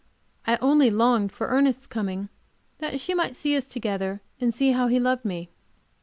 I only longed for Ernest's coming, that she might see us together, and see how he loved me.